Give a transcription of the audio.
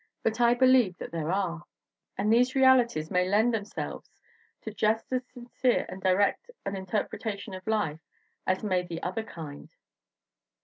But I believe that there are, and these realities may lend themselves to just as sincere and direct an interpretation of life as may the other kind.